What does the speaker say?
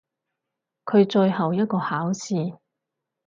佢最後一個考試！